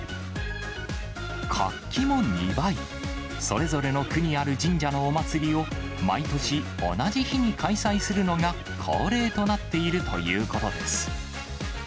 活気も２倍、それぞれの区にある神社のお祭りを毎年、同じ日に開催するのが恒例となっているということです。